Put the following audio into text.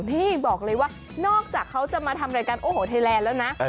นี่บอกเลยว่านอกจากเขาจะมาทำรายการโอ้โหไทยแลนด์แล้วนะ